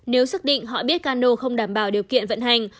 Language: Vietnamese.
nếu xác định họ biết cano không đảm bảo điều kiện vận hành